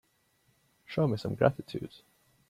Show me some gratitude.